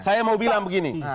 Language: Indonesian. saya mau bilang begini